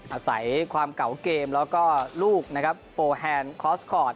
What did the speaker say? อาศัยความเก่าเกมแล้วก็ลูกนะครับโฟแฮนด์คลอสคอร์ด